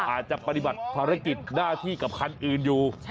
อาจจะปฏิบัติภารกิจหน้าที่กับคันอื่นอยู่